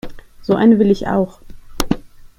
So eine will ich auch.